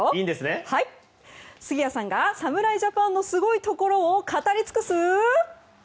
杉谷さんが侍ジャパンのすごいところを語りつくす。